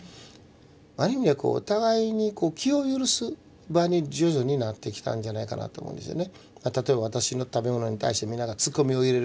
ある意味でこうお互いに気を許す場に徐々になってきたんじゃないかなと思うんですよね。